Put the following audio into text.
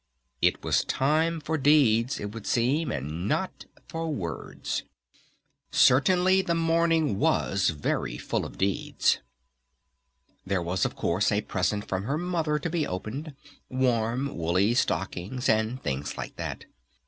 It was a time for deeds, it would seem, and not for words. Certainly the morning was very full of deeds! There was, of course, a present from her Mother to be opened, warm, woolly stockings and things like that.